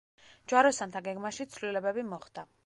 ჯვაროსანთა გეგმაში ცვლილებები მოხდა.